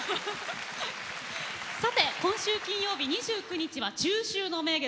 さて、今週金曜日２９日は中秋の名月。